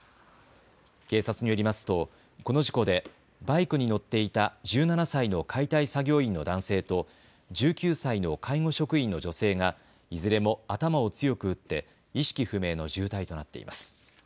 警察によりますとこの事故でバイクに乗っていた１７歳の解体作業員の男性と１９歳の介護職員の女性がいずれも頭を強く打って意識不明の重体となっています。